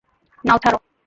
নাও, ছাড়ো!